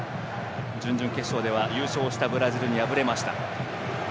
準々決勝では優勝したブラジルに敗れました。